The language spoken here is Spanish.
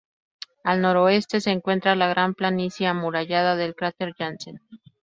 Al noroeste se encuentra la gran planicie amurallada del cráter Janssen.